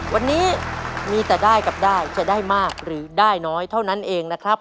วันนี้มีแต่ได้กับได้จะได้มากหรือได้น้อยเท่านั้นเองนะครับ